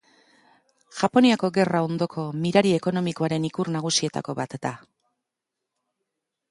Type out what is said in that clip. Japoniako gerra ondoko mirari ekonomikoaren ikur nagusietako bat da.